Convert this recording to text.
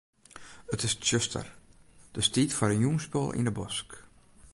It is tsjuster, dus tiid foar in jûnsspul yn 'e bosk.